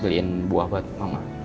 beliin buah buat mama